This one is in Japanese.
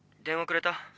電話くれた？